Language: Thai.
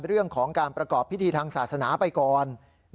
เรื่องของการประกอบพิธีทางศาสนาไปก่อน